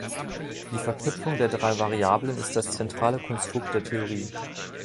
Die Verknüpfung der drei Variablen ist das zentrale Konstrukt der Theorie.